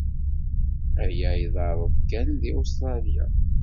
Aya iḍerru-d kan deg Ustṛalya.